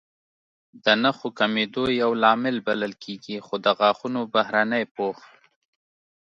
د نښو کمېدو یو لامل بلل کېږي، خو د غاښونو بهرنی پوښ